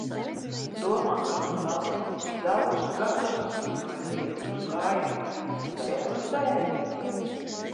Domā, ka mana valsts tik daudzus gadus asiņoja pie jūsu kājām spēles dēļ?